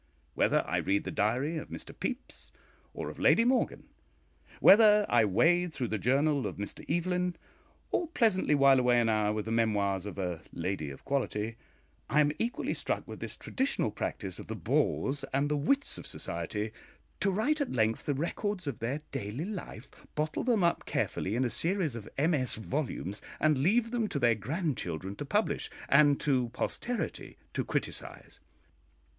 Whether I read the diary of Mr Pepys, or of Lady Morgan whether I wade through the Journal of Mr Evelyn, or pleasantly while away an hour with the memoirs of "a Lady of Quality," I am equally struck with this traditional practice of the bores and the wits of society, to write at length the records of their daily life, bottle them carefully up in a series of MS. volumes, and leave them to their grandchildren to publish, and to posterity to criticise.